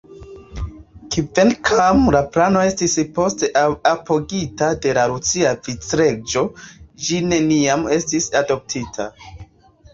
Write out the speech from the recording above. Kvankam la plano estis poste apogita de la rusa vicreĝo, ĝi neniam estis adoptita.